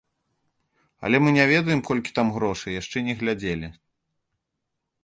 Але мы не ведаем, колькі там грошай, яшчэ не глядзелі.